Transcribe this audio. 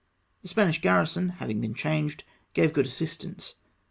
The Spanish garrison having been changed, gave good assistance.